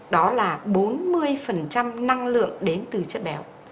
đó là bốn mươi năng lượng đến từ chất béo